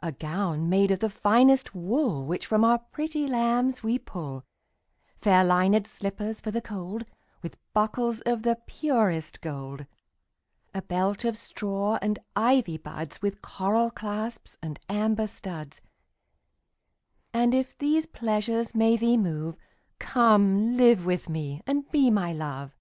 A gown made of the finest wool Which from our pretty lambs we pull; Fair linèd slippers for the cold, 15 With buckles of the purest gold. A belt of straw and ivy buds With coral clasps and amber studs: And if these pleasures may thee move, Come live with me and be my Love.